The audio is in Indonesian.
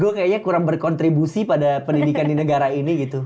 gue kayaknya kurang berkontribusi pada pendidikan di negara ini gitu